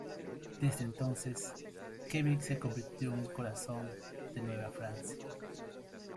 Desde entonces, Quebec se convirtió en el corazón de Nueva Francia.